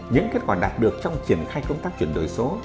những kết quả đạt được trong triển khai công tác chuyển đổi số